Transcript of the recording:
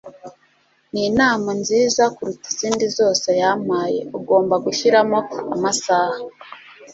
ninama nziza kuruta izindi zose yampaye. ugomba gushyiramo amasaha